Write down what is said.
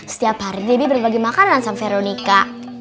setiap hari debbie berbagi makanan sama veronica